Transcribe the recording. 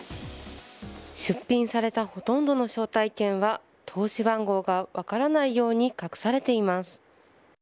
出品されたほとんどの招待券は通し番号が分からないように隠されています。